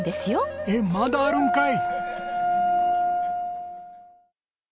えっまだあるんかい！